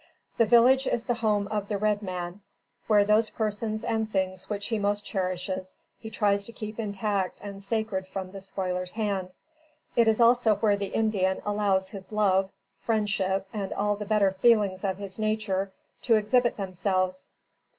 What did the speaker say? The village is the home of the red man, where those persons and things which he most cherishes, he tries to keep intact and sacred from the spoiler's hand. It is also where the Indian allows his love, friendship and all the better feelings of his nature to exhibit themselves.